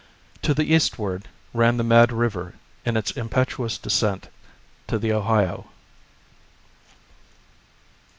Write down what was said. To the eastward ran the Mad River in its impetuous descent to the Ohio.